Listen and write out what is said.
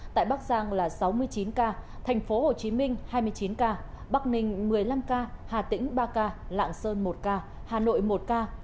tại bắc giang là sáu mươi chín ca tp hcm hai mươi chín ca bắc ninh một mươi năm ca hà tĩnh ba ca lạng sơn một ca hà nội một ca